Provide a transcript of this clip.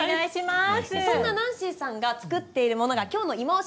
そんなｎａｎｃｙさんが作っているものが今日のいまオシ！